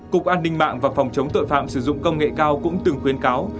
cục an ninh mạng và phòng chống tội phạm sử dụng công nghệ cao cũng từng khuyến cáo